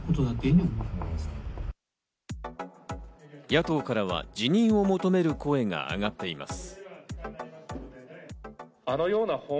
野党からは辞任を求める声があがっています。